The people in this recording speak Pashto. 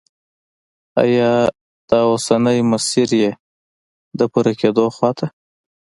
آیا دا اوسنی مسیر یې د پوره کېدو خواته